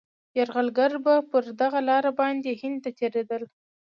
یرغلګر به پر دغه لاره باندي هند ته تېرېدل.